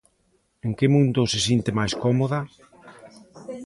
En que mundo se sinte máis cómoda?